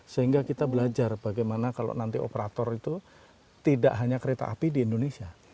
sehingga kita belajar bagaimana kalau nanti operator itu tidak hanya kereta api di indonesia